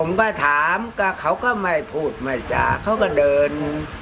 ผมก็ถามก็เขาก็ไม่พูดไม่จากเขาก็เดิน